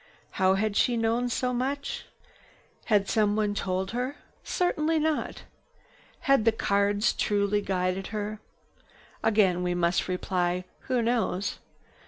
How had she known so much? Had someone told her? Certainly not. Had the cards truly guided her? Again we must reply, who knows?